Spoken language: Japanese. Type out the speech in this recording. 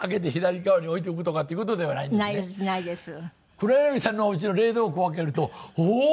黒柳さんのおうちの冷蔵庫を開けるとおおー！